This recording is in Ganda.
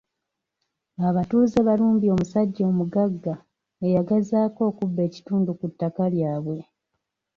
Abatuuze balumbye omusajja omugagga eyagezaako okubba ekitundu ku ttaka lyabwe.